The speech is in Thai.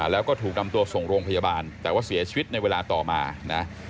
แล้วก็ถูกนำตัวส่งโรงพยาบาลแต่ว่าเสียชีวิตในเวลาต่อมานะ